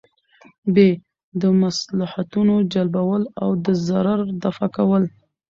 ب : د مصلحتونو جلبول او د ضرر دفعه کول